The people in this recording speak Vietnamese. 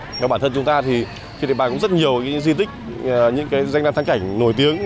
nhưng mà bản thân chúng ta thì trên địa bàn cũng rất nhiều di tích những cái danh nam thắng cảnh nổi tiếng